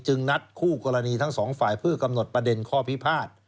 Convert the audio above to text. นัดคู่กรณีทั้งสองฝ่ายเพื่อกำหนดประเด็นข้อพิพาท